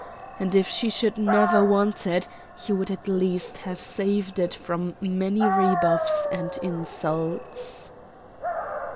And if she should never want it he would at least have saved it from many rebuffs and insults.